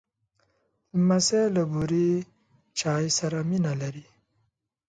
لمسی له بوره چای سره مینه لري.